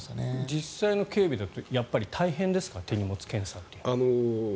実際の警備だとやっぱり大変ですか、手荷物検査は。